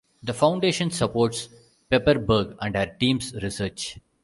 The foundation supports Pepperberg and her team's research.